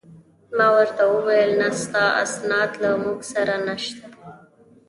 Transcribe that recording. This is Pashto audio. ما ورته وویل: نه، ستا اسناد له موږ سره نشته.